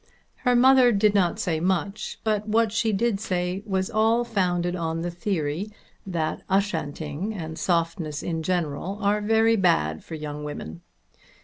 Her mother did not say much, but what she did say was all founded on the theory that Ushanting and softness in general are very bad for young women.